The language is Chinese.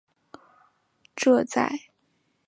这在系统工程和软体工程中是一个共同的角色。